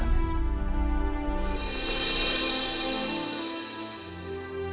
amin ya allah